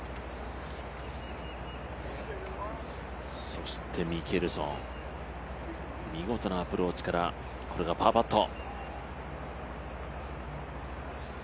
そしてミケルソン、見事なアプローチから、これがパーパット。